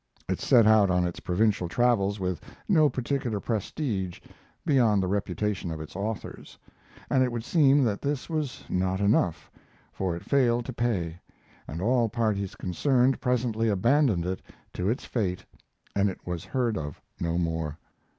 It set out on its provincial travels with no particular prestige beyond the reputation of its authors; and it would seem that this was not enough, for it failed to pay, and all parties concerned presently abandoned it to its fate and it was heard of no more.